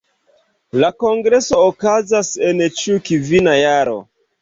La kongreso okazas en ĉiu kvina jaro.